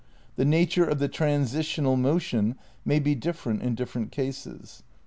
The nature of the transitional motion may be different in different cases.